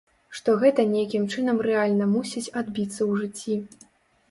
Што гэта нейкім чынам рэальна мусіць адбіцца ў жыцці.